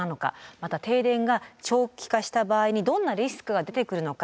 また停電が長期化した場合にどんなリスクが出てくるのか。